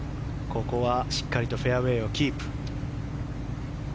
ここはしっかりとフェアウェーをキープ。